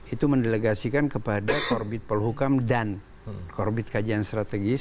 itu mendelegasikan kepada korbit polhukam dan korbit kajian strategis